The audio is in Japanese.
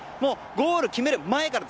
ゴール決める前から。